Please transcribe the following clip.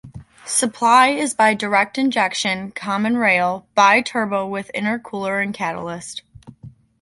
Supply is by direct injection, common-rail, bi-turbo with intercooler and catalyst.